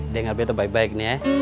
dengar bete baik baik nih ya